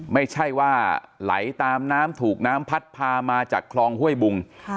ไม่ใช่ว่าไหลตามน้ำถูกน้ำพัดพามาจากคลองห้วยบุง